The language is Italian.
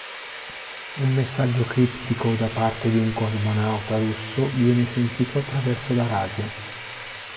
Un messaggio criptico da parte di un cosmonauta russo viene sentito attraverso la radio.